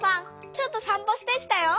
ちょっとさんぽしてきたよ。